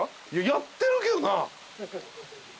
やってるけどな。